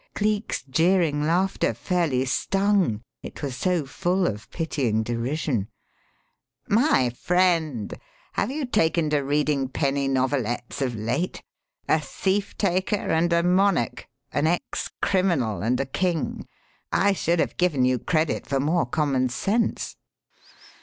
Cleek's jeering laughter fairly stung, it was so full of pitying derision. "My friend, have you taken to reading penny novelettes of late? A thief taker and a monarch! An ex criminal and a king! I should have given you credit for more common sense."